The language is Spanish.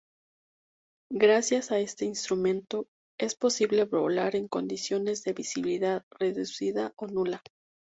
Gracias a este instrumento, es posible volar en condiciones de visibilidad reducida o nula.